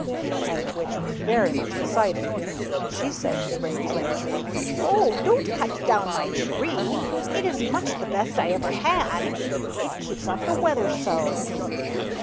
And the Witch was very much excited, and she said to the Range Ranger, " Oh ! Don't cut down my Tree; it is much the best I ever had; it keeps off the weather so